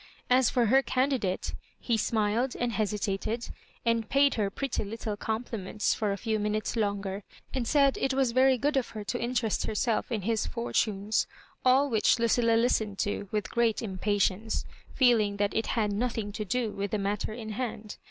As for her candidate, he smiled, and hesitated, and paid her pretty little comj^ments for a few minutes longer, and said it was very good of her to interest herself in his fortunes. All whidi Lucilla listened to with great impatience^ feeling that it had nothing to do with the matter in hand.